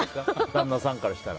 旦那さんからしたら。